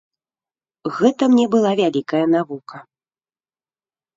Гэта мне была вялікая навука.